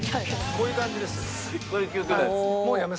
こういう感じです。